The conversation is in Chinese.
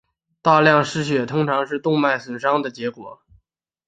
大量失血通常是动脉损伤的结果。